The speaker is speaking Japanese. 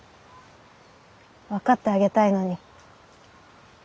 分かってあげたいのに。